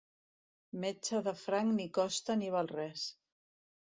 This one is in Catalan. Metge de franc ni costa ni val res.